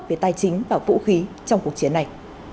về tài chính và vũ khí trong cuộc chiến này